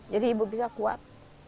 jadi ibu bisa kuat